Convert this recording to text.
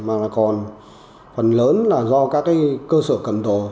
mà còn phần lớn là do các cơ sở cẩm tổ